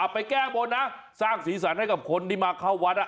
ไปแก้บนนะสร้างสีสันให้กับคนที่มาเข้าวัด